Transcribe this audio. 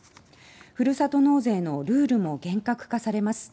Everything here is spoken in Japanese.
ふるさと納税のルールも厳格化されます。